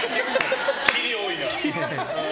キリ多いな。